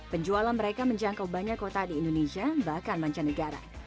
penjualan mereka menjangkau banyak kota di indonesia bahkan mancanegara